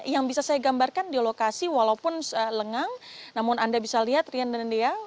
yang bisa saya gambarkan di lokasi walaupun lengang namun anda bisa lihat rian dan dea